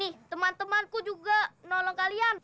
ini teman temanku juga menolong kalian